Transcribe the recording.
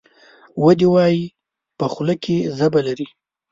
ودي وایي ! په خوله کې ژبه لري .